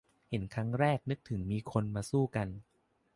เห็นครั้งแรกนึกถึงมีคนมาสู้กัน